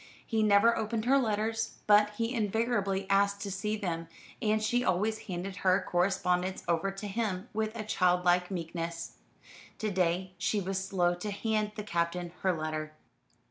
He never opened her letters, but he invariably asked to see them, and she always handed her correspondence over to him with a childlike meekness. To day she was slow to hand the Captain her letter.